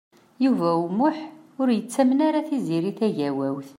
Yuba U Muḥ ur yettamen ara Tiziri Tagawawt.